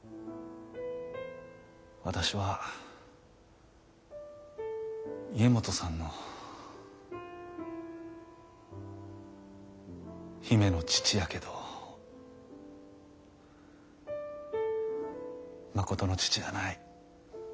私は家基さんの姫の父やけどまことの父やない。